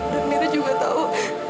dan mira juga tahu